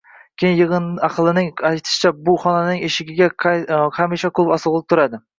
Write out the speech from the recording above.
Biroq yigʻin ahlining aytishicha, bu xonaning eshigiga hamisha qulf osigʻlik turadi